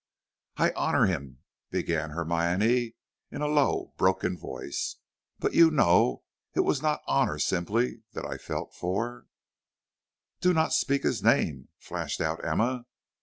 "I honor him," began Hermione, in a low, broken voice, "but you know it was not honor simply that I felt for " "Do not speak his name," flashed out Emma.